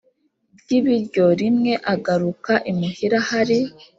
ry ibiryo Rimwe agaruka imuhira hari